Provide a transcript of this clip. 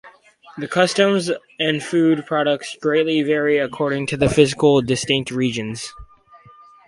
The customs and food products greatly vary according to the physically distinct regions.